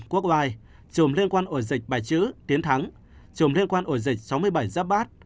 quốc oai chùm liên quan ổ dịch bài chữ tiến thắng chùm liên quan ổ dịch sáu mươi bảy giáp bát